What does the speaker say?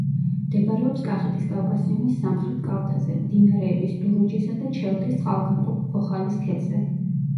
მდებარეობს კახეთის კავკასიონის სამხრეთ კალთაზე, მდინარეების დურუჯისა და ჩელთის წყალგამყოფ ფოხალის ქედზე.